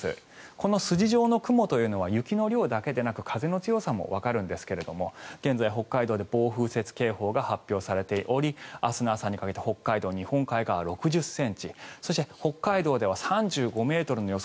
この筋状の雲というのは雪の量だけでなく風の強さもわかるんですが現在、北海道で暴風雪警報が発表されており明日の朝にかけて北海道日本海側、６０ｃｍそして、北海道では３５ｍの予想